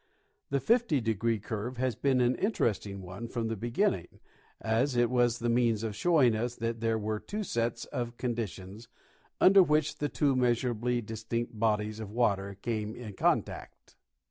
The 50° curve has been an interesting one from the beginning, as it was the means of showing us that there were two sets of conditions under which the two measurably distinct bodies of water came in contact.